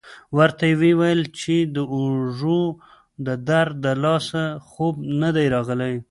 ورته ویې ویل چې د اوږو د درد له لاسه خوب نه دی راغلی.